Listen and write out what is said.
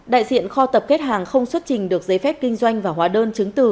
đại diện kho tập kết hàng không xuất trình được giấy phép kinh doanh và hóa đơn chứng từ